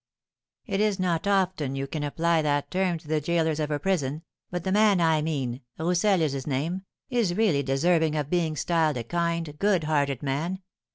"It is not often you can apply that term to the gaolers of a prison, but the man I mean (Rousel is his name) is really deserving of being styled a kind, good hearted man.